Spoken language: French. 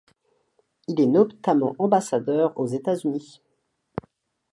Il est notamment ambassadeur aux États-Unis.